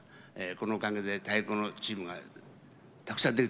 このおかげで太鼓のチームがたくさん出てます。